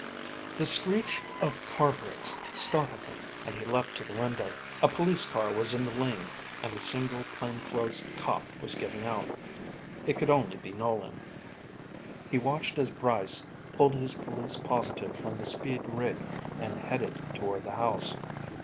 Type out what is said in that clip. The screech of car brakes startled him and he leaped to the window. A police car was in the lane and a single, plainclothes cop was getting out. It could only be Nolan. He watched as Brice pulled his Police Positive from the speed rig and headed toward the house.